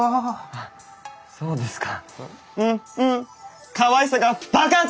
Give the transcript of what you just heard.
あっそうですか？